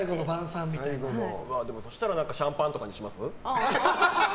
そしたらシャンパンとかにします？